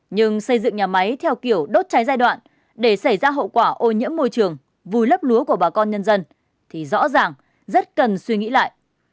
nhưng xây dựng nhà máy theo kiểu đốt cháy giai đoạn để xảy ra hậu quả ô nhiễm môi trường vùi lấp lúa của bà con nhân dân thì rõ ràng rất cần suy nghĩ lại